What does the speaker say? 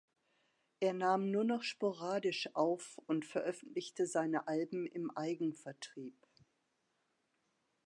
Er nahm nur noch sporadisch auf und veröffentlichte seine Alben im Eigenvertrieb.